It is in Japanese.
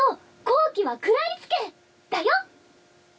好機は食らいつけ！だよ」